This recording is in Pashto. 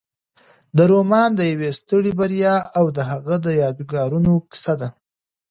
دا رومان د یوې سترې بریا او د هغې د یادګارونو کیسه ده.